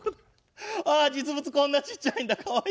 あ実物こんなちっちゃいんだかわいい。